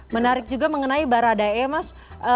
menarik juga mengenai baradae mas